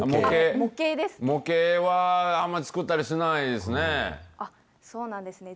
模型は、あまり作ったりしなそうなんですね。